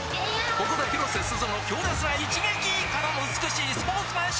ここで広瀬すずの強烈な一撃！からの美しいスポーツマンシップ！